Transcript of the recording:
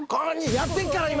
やってるから、今。